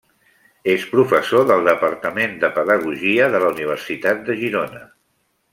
És professor del Departament de Pedagogia de la Universitat de Girona.